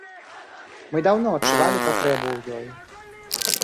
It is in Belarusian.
Мы даўно адчувалі патрэбу ў ёй.